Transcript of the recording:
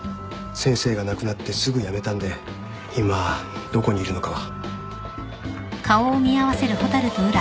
先生が亡くなってすぐ辞めたんで今どこにいるのかは。